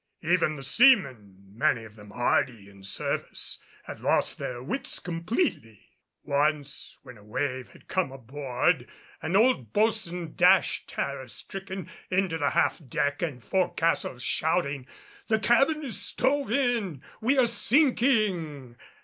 Even the seamen, many of them hardy in service, had lost their wits completely. Once when a wave had come aboard an old boatswain dashed terror stricken into the half deck and fore castle shouting, "The cabin is stove in, we are sinking!"